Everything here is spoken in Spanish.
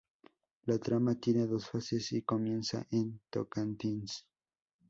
La trama tiene dos fases y comienza en Tocantins.